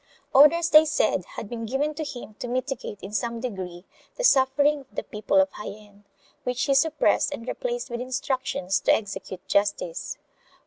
Orders, they said, had been given to him to mitigate in some degree the sufferings of the people of Jaen, which he suppressed and replaced with instructions to execute justice.